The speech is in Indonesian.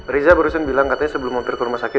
riza barusin bilang katanya sebelum mampir ke rumah sakit